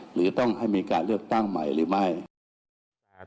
หรือต้องให้มีการเลือกตั้งใหม่หรือไม่นะครับ